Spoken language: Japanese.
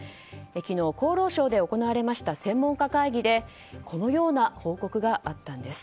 昨日、厚労省で行われました専門家会議でこのような報告があったんです。